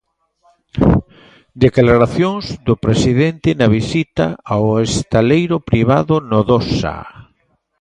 Declaracións do presidente na visita ao estaleiro privado Nodosa.